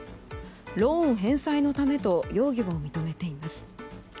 ローン返済のためと容疑を認めています。